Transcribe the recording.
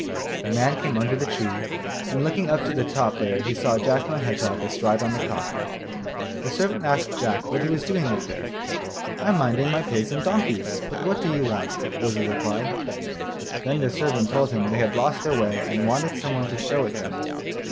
The man came under the tree, and looking up to the top there he saw Jack my Hedgehog astride on the cock. The servant asked Jack what he was doing up there. 'I'm minding my pigs and donkeys; but what do you want?' was the reply. Then the servant told him they had lost their way, and wanted some one to show it them.